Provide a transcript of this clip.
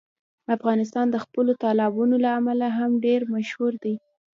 افغانستان د خپلو تالابونو له امله هم ډېر مشهور دی.